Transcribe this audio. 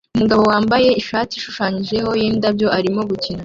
Umugabo wambaye ishati ishushanyije yindabyo arimo gukina